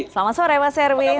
selamat sore mas erwin